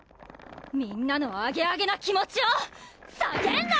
みんなのアゲアゲな気持ちをサゲんな！